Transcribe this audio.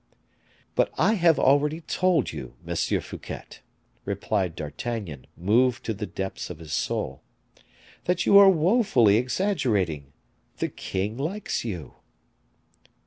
"But I have already told you, Monsieur Fouquet," replied D'Artagnan, moved to the depths of his soul, "that you are woefully exaggerating. The king likes you."